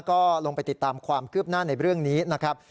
ก็ลงไปติดตามความคืบหน้าในเรื่องนี้นะครับ